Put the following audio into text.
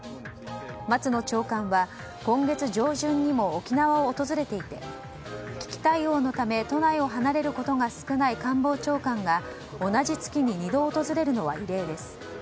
松野長官は今月上旬にも沖縄を訪れていて危機対応のため都内を離れることが少ない官房長官が、同じ月に２度訪れるのは異例です。